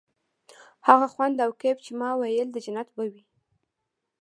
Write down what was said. هغه خوند او کيف چې ما ويل د جنت به وي.